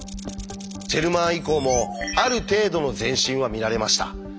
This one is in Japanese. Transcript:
ジェルマン以降もある程度の前進は見られました。